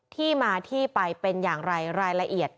ที่มาที่ไปเป็นอย่างไรรายละเอียด